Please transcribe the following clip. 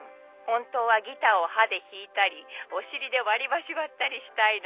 「本当はギターを歯で弾いたりお尻で割りばし割ったりしたいのに」